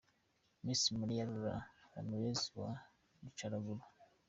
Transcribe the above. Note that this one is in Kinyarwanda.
Miss Maria Laura Lamirez wa Nicaragua.